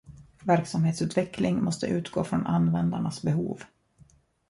Verksamhetsutveckling måste utgå från användarnas behov.